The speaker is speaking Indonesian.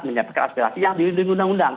menyampaikan aspirasi yang dilindungi undang undang